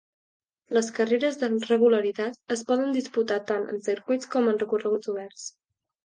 Les carreres de regularitat es poden disputar tant en circuits com en recorreguts oberts.